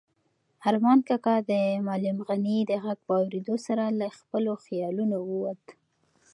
ارمان کاکا د معلم غني د غږ په اورېدو سره له خپلو خیالونو ووت.